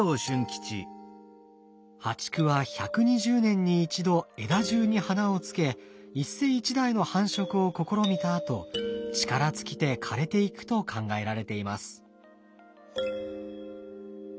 淡竹は１２０年に一度枝じゅうに花をつけ一世一代の繁殖を試みたあと力尽きて枯れていくと考えられています。